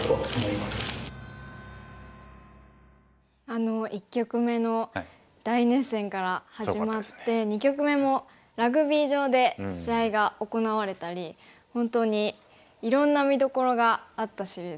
あの１局目の大熱戦から始まって２局目もラグビー場で試合が行われたり本当にいろんな見どころがあったシリーズですよね。